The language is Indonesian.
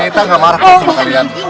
kita nggak marah sama kalian